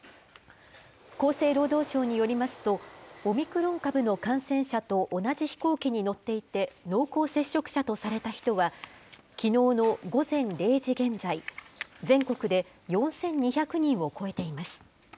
厚生労働省によりますと、オミクロン株の感染者と同じ飛行機に乗っていて、濃厚接触者とされた人は、きのうの午前０時現在、全国で４２００人を超えています。